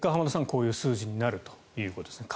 こういう数字になるということですね。